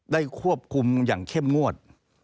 ได้ควบคุมอย่างเช่มงวด